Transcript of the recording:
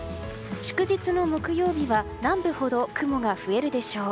祝日の木曜日は南部ほど雲が増えるでしょう。